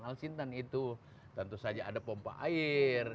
al sintan itu tentu saja ada pompa air